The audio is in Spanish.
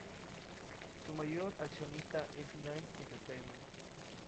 Su mayor accionista es Nine Entertainment.